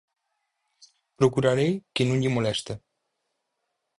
Procurarei que non lle moleste.